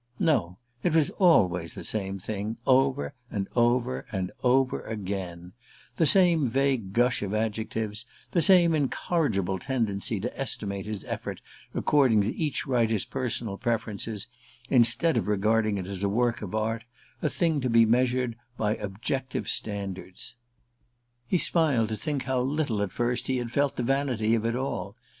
No it was always the same thing, over and over and over again the same vague gush of adjectives, the same incorrigible tendency to estimate his effort according to each writer's personal preferences, instead of regarding it as a work of art, a thing to be measured by objective standards! He smiled to think how little, at first, he had felt the vanity of it all.